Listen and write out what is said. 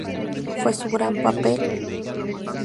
Fue su gran papel.